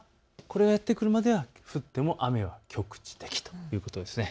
これがやってくるまでは降っても雨は局地的ということです。